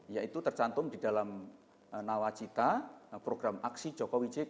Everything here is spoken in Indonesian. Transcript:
yaitu tercantum di dalam nawacita program aksi jokowi jk